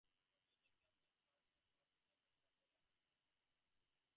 Maffesoli claims that punks are a typical example of an "urban tribe".